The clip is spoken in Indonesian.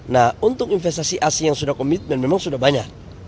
nah untuk investasi asing yang sudah komitmen memang sudah banyak